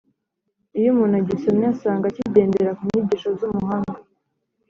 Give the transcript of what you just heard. Iyo umuntu agisomye asanga kigendera ku nyigisho z’umuhanga